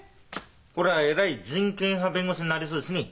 これはえらい人権派弁護士になりそうですねえ。